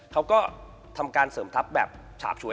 เขาก็ทำการเสริมทัพแบบฉาบฉวย